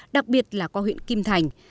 đặc biệt là qua huyện kim thành